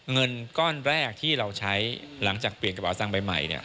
เงินก้อนแรกที่เราใช้หลังจากเปลี่ยนกระเป๋าสังใบใหม่